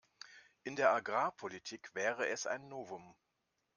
In der Agrarpolitik wäre es ein Novum.